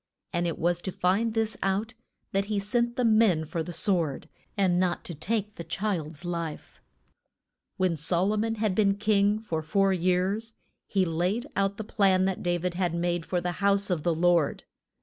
And it was to find this out that he sent the men for the sword, and not to take the child's life. [Illustration: SHIPS OF SOL O MON.] When Sol o mon had been king for four years, he laid out the plan that Da vid had made for the house of the Lord.